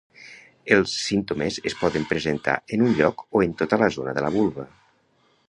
Els símptomes es poden presentar en un lloc o en tota la zona de la vulva.